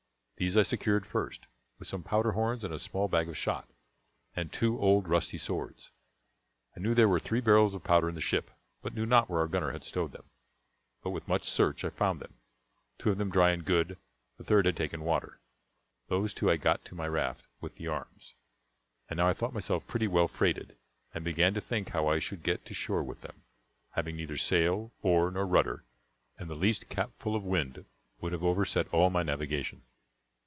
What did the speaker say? These I secured first, with some powder horns and a small bag of shot, and two old rusty swords. I knew there were three barrels of powder in the ship, but knew not where our gunner had stowed them; but with much search I found them, two of them dry and good, the third had taken water. Those two I got to my raft, with the arms. And now I thought myself pretty well freighted, and began to think how I should get to shore with them, having neither sail, oar, nor rudder; and the least capful of wind would have overset all my navigation.